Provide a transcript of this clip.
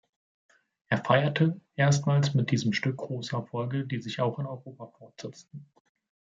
Er feierte erstmals mit diesem Stück große Erfolge, die sich auch in Europa fortsetzten.